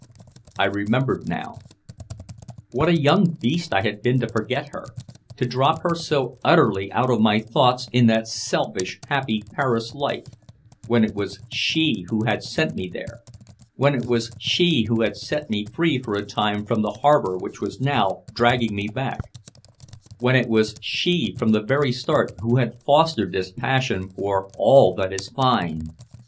I remembered her now. What a young beast I had been to forget her, to drop her so utterly out of my thoughts in that selfish happy Paris life, when it was she who had sent me there, when it was she who had set me free for a time from the harbor which was now dragging me back, when it was she from the very start who had fostered this passion for "all that is fine."